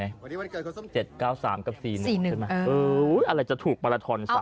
๗๙๓กับ๔๑ใช่ไหมอืออะไรจะถูกมารัฐรนด์๓๐กว่า